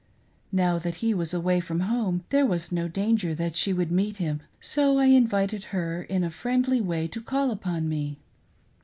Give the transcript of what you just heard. Now that he was away from home there was no danger that she would meet him, so I invited her in a friendly way to call upon me.